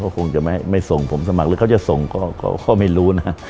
ก็คงจะไม่ส่งผมสมัครหรือเขาจะส่งก็ไม่รู้นะ